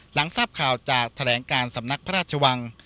หลังทราบข่าวจากแถลงการสำนักพระราชวัง